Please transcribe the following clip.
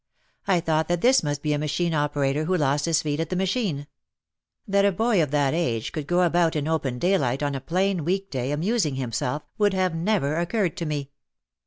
I thought that this must be a machine operator who lost his feet at the machine. That a boy of that age could go about in open daylight on a plain week day, amusing himself, would have never occurred to me.